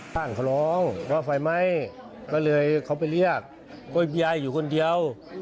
เห้ยเข้าร้องเพราะไฟไหม้ก็เลยเขาไปเรียกโหยยายอยู่คนเดียว